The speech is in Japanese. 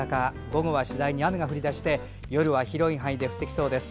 午後は次第に雨が降り出して夜は広い範囲で降ってきそうです。